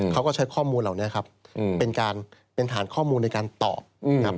เขาก็ใช้ข้อมูลเหล่านี้ครับเป็นการเป็นฐานข้อมูลในการตอบครับ